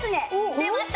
出ました